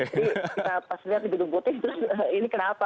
jadi kita pas lihat gedung puting ini kenapa